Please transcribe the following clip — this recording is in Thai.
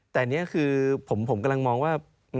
แต่อันนี้คือผมกำลังมองว่า